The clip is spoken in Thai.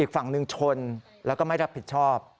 ฝั่งหนึ่งชนแล้วก็ไม่รับผิดชอบ